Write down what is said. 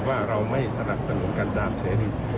ว่าเราไม่สนับสนุนกันตามเสรี